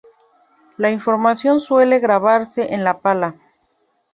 La información suele grabarse en la pala.